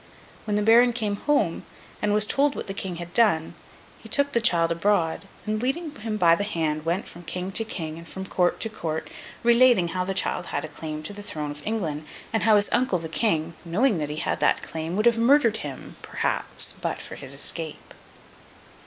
When the Baron came home, and was told what the King had done, he took the child abroad, and, leading him by the hand, went from King to King and from Court to Court, relating how the child had a claim to the throne of England, and how his uncle the King, knowing that he had that claim, would have murdered him, perhaps, but for his escape.